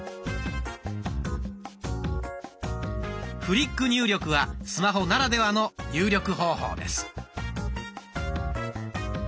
フリック入力はスマホならではの入力方法です。